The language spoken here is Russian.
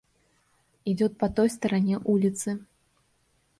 – Идет по той стороне улицы.